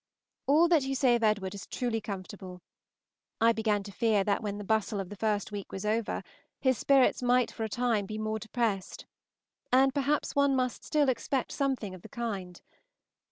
All that you say of Edward is truly comfortable; I began to fear that when the bustle of the first week was over, his spirits might for a time be more depressed; and perhaps one must still expect something of the kind.